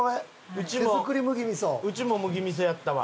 うちも麦味噌やったわ。